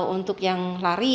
untuk yang lari